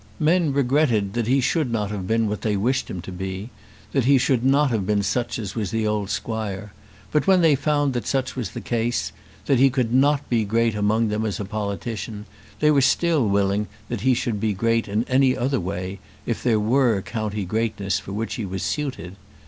Men regretted that he should not have been what they wished him to be, that he should not have been such as was the old squire; but when they found that such was the case, that he could not be great among them as a politician, they were still willing that he should be great in any other way if there were county greatness for which he was suited.